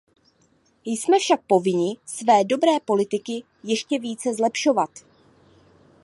Jsme však povinni své dobré politiky ještě více zlepšovat.